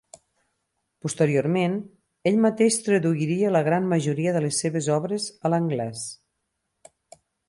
Posteriorment, ell mateix traduiria la gran majoria de les seves obres a l'anglès.